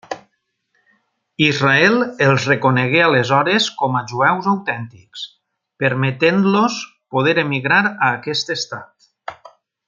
Israel els reconegué aleshores com a 'jueus autèntics', permetent-los poder emigrar a aquest Estat.